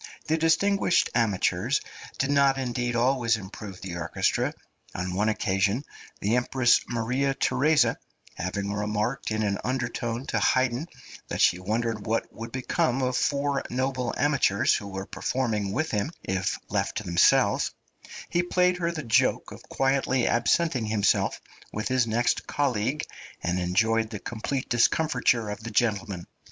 The distinguished amateurs did not indeed always improve the orchestra. On one occasion, the Empress Maria Theresa having remarked in an undertone to Haydn that she wondered what would become of four noble amateurs, who were performing with him, if left to themselves, he played her the joke of quietly absenting himself with his next colleague, and enjoyed the complete discomfiture of the gentlemen.